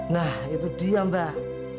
nah itu dia mbah